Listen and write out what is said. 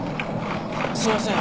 すみません。